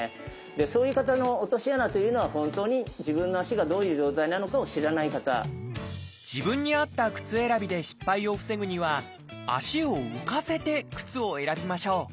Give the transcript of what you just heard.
そういう方の落とし穴というのは本当に自分に合った靴選びで失敗を防ぐには足を浮かせて靴を選びましょう。